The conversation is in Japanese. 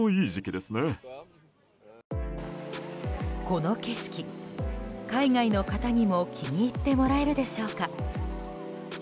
この景色、海外の方にも気に入ってもらえるでしょうか。